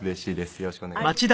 よろしくお願いします。